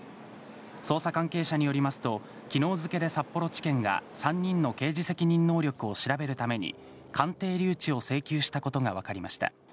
捜査関係者によりますと、きのう付けで札幌地検が３人の刑事責任能力を調べるために、鑑定留置を請求したことが分かりました。